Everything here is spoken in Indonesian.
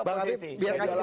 bang habib biarkan saja